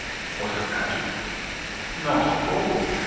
Was it magic? Not at all.